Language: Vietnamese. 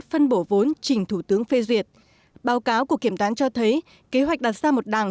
phân bổ vốn trình thủ tướng phê duyệt báo cáo của kiểm toán cho thấy kế hoạch đặt ra một đảng